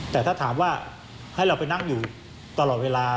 แต่ถ้าถามว่าให้เราไปนั่งอยู่ตลอดเวลา